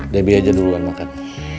debbie aja duluan makan